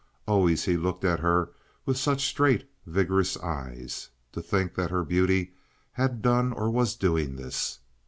Always he looked at her with such straight, vigorous eyes. To think that her beauty had done or was doing this!